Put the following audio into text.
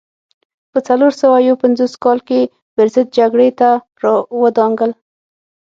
په څلور سوه یو پنځوس کال کې پرضد جګړې ته را ودانګل.